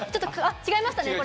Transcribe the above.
違いましたね、これ。